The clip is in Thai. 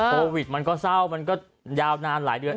โควิดมันก็เศร้ามันก็ยาวนานหลายเดือน